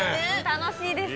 楽しいですよね。